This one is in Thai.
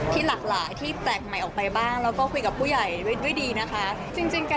ปรับตัวได้ยังคะพอมาเป็นนักแสดงตอนนั้น